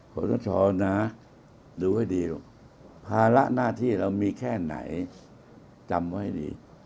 ขอสชนะดูให้ดีลูกภาระหน้าที่เรามีแค่ไหนจำไว้ดี